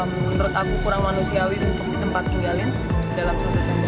menurut aku kurang manusiawi untuk ditempat tinggalin dalam susu tembak